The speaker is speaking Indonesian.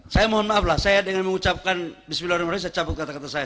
saya mohon maaf lah saya dengan mengucapkan bismillahirrahmanirrahim saya cabut kata kata saya